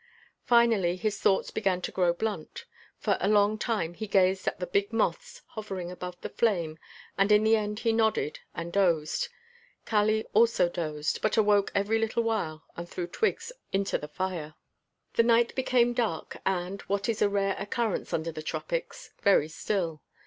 Finally his thoughts began to grow blunt. For a long time he gazed at the big moths hovering above the flame and in the end he nodded and dozed. Kali also dozed, but awoke every little while and threw twigs into the fire. The night became dark and, what is a rare occurrence under the tropics, very still.